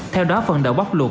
theo đó phần đậu bóc luộc